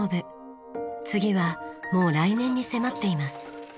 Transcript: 次はもう来年に迫っています。